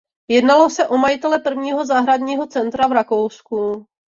Jednalo se o majitele prvního zahradního centra v Rakousku.